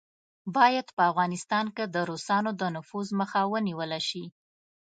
باید په افغانستان کې د روسانو د نفوذ مخه ونیوله شي.